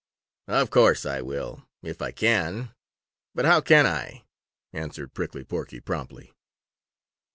"Of course I will if I can, but how can I?" answered Prickly Porky promptly.